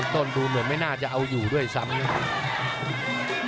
ดูเหมือนไม่น่าจะเอาอยู่ด้วยซ้ำนะครับ